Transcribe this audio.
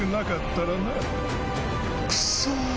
クソ！